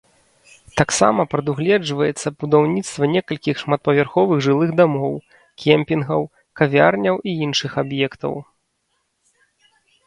Таксама прадугледжваецца будаўніцтва некалькіх шматпавярховых жылых дамоў, кемпінгаў, кавярняў і іншых аб'ектаў.